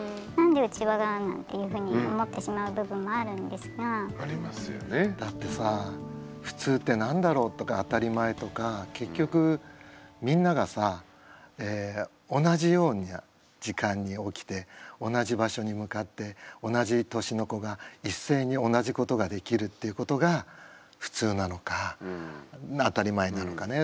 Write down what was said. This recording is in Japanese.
だから近所もすごい密集してるのでだってさ普通って何だろうとか当たり前とか結局みんながさ同じような時間に起きて同じ場所に向かって同じ年の子が一斉に同じことができるっていうことが普通なのか当たり前なのかね